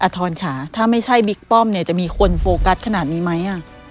ทรค่ะถ้าไม่ใช่บิ๊กป้อมเนี่ยจะมีคนโฟกัสขนาดนี้ไหม